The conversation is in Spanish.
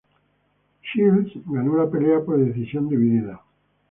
Shields ganó la pelea por decisión dividida.